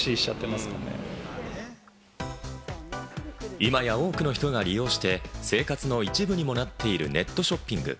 今や多くの人が利用して、生活の一部にもなっているネットショッピング。